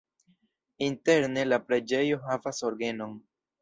Interne la preĝejo havas orgenon.